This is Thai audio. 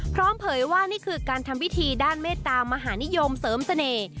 เผยว่านี่คือการทำพิธีด้านเมตตามหานิยมเสริมเสน่ห์